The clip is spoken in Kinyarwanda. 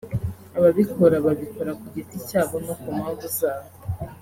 Ababikora babikora ku giti cyabo no ku mpamvu zabo